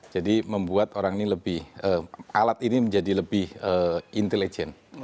jadi membuat orang ini lebih alat ini menjadi lebih intelijen